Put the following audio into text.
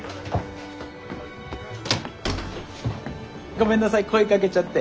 ごめんなさい声かけちゃって。